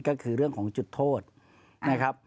ก็คือเรื่องของจุดโทษนะครับ